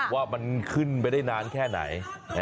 ว่ามันขึ้นไปได้นานแค่ไหน